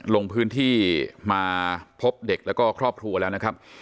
ลงพื้นที่มาพบเด็กแล้วก็ครอบครัวแล้วนะครับ